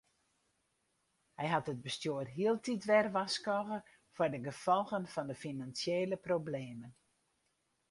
Hy hat it bestjoer hieltyd wer warskôge foar de gefolgen fan de finansjele problemen.